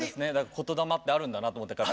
言霊ってあるんだなと思って。